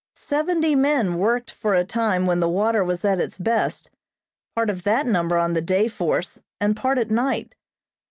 Seventy men worked for a time when the water was at its best, part of that number on the day force and part at night.